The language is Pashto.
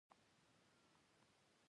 د زاهدي دوی موټر راورسېد.